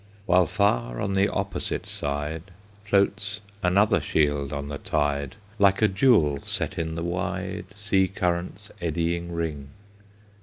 While far on the opposite side Floats another shield on the tide, Like a jewel set in the wide Sea current's eddying ring.